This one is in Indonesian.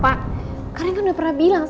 pak karen kan udah pernah bilang